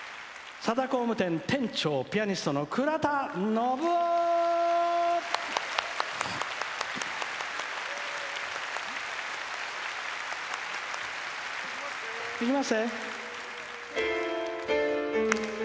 さだ工務店店長ピアニストの倉田信雄！